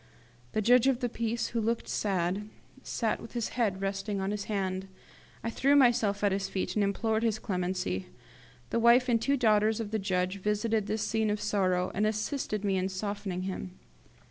The judge of the peace, who looked sad, sat with his head resting on his hand. I threw myself at his feet and implored his clemency. The wife and the two daughters of the judge visited this scene of sorrow, and assisted me in softening him.